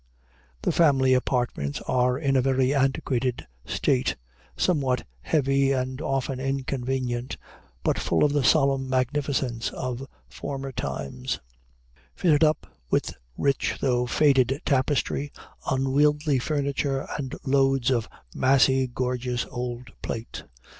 The family apartments are in a very antiquated taste, somewhat heavy, and often inconvenient, but full of the solemn magnificence of former times; fitted up with rich, though faded tapestry, unwieldy furniture, and loads of massy gorgeous old plate.